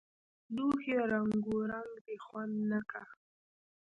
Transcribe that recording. لوښي رنګونک دي خوند نۀ که